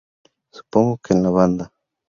Supongo que en la banda.